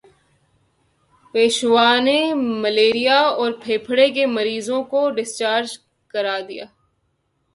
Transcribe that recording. پیشوا نے ملیریا اور پھیپھڑے کے مریضوں کو ڈسچارج کرا دیا